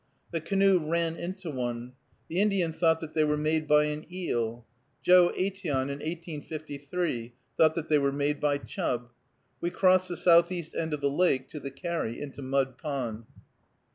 The canoe ran into one. The Indian thought that they were made by an eel. Joe Aitteon in 1853 thought that they were made by chub. We crossed the southeast end of the lake to the carry into Mud Pond.